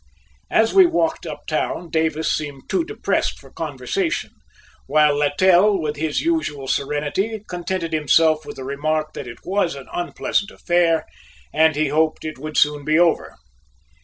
As we walked uptown Davis seemed too depressed for conversation, while Littell with his usual serenity contented himself with the remark that it was an unpleasant affair and he hoped it would soon be over.